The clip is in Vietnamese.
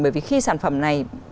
bởi vì khi sản phẩm này